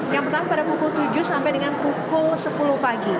yang pertama pada pukul tujuh sampai dengan pukul sepuluh pagi